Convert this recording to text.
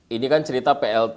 ini kan cerita plt